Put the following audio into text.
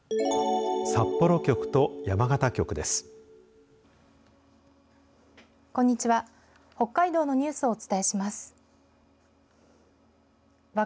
札幌局と山形局です。